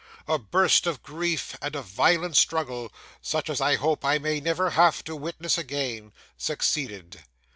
A burst of grief, and a violent struggle, such as I hope I may never have to witness again, succeeded.